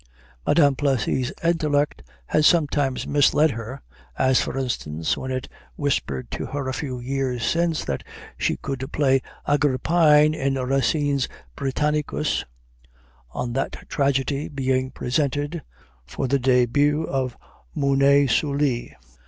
Madame Plessy's intellect has sometimes misled her as, for instance, when it whispered to her, a few years since, that she could play Agrippine in Racine's "Britannicus," on that tragedy being presented for the débuts of Mounet Sully.